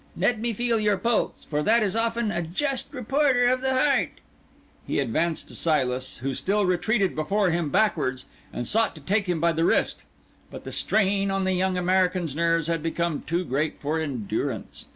Let me feel your pulse, for that is often a just reporter of the heart." He advanced to Silas, who still retreated before him backwards, and sought to take him by the wrist; but the strain on the young American's nerves had become too great for endurance.